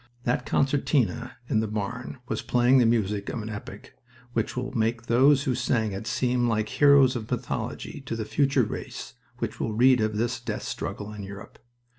That concertina in the barn was playing the music of an epic which will make those who sang it seem like heroes of mythology to the future race which will read of this death struggle in Europe.